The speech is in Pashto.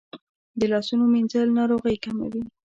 د لاسونو مینځل ناروغۍ کموي.